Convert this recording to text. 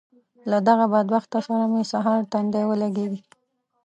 له دغه بدبخته سره مې سهار تندی ولګېږي.